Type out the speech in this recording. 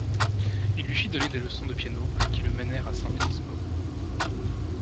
Il lui fit donner des leçons de piano qui le menèrent à Saint-Pétersbourg.